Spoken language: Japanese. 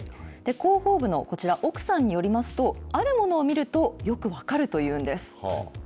広報部のこちら、奥さんによりますと、あるものを見ると、よく分かるというんです。